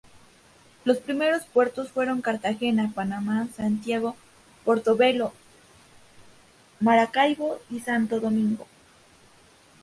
Los primeros puertos fueron Cartagena, Panamá, Santiago, Portobelo, Maracaibo y Santo Domingo.